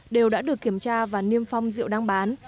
đều đã được kiểm tra và niêm phong rượu đang bán